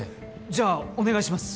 じゃあお願いします